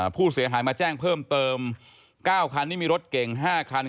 ผู้เสียหายมาแจ้งเพิ่มเติม๙คันนี้มีรถเก่ง๕คัน